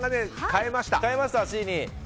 変えました、Ｃに。